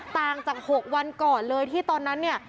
ต่างจาก๖วันก่อนเลยที่ตอนนั้นเนี่ย